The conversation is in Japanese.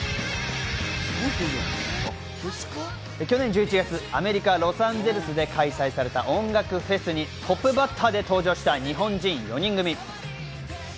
去年１１月、アメリカ・ロサンゼルスで開催された音楽フェスにトップバッターで登場した日本人４人組。